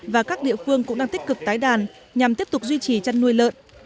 và các địa phương cũng đang tích cực tái đàn nhằm tiếp tục duy trì chăn nuôi lợn